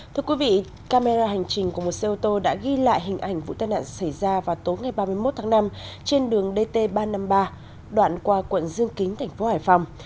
thưa quý vị camera hành trình của một xe ô tô đã ghi lại hình ảnh vụ tai nạn xảy ra vào tối ngày ba mươi một tháng năm trên đường dt ba trăm năm mươi ba đoạn qua quận dương kính thành phố hải phòng